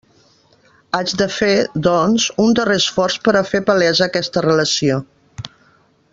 Haig de fer, doncs, un darrer esforç per a fer palesa aquesta relació.